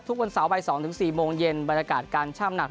ทุกวันเสาร์วายสองถึงสี่โมงเย็นบรรยากาศการช่ามหนัก